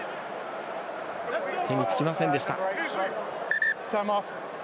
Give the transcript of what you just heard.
手につきませんでした。